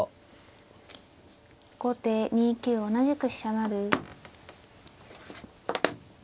後手２九同じく飛車成。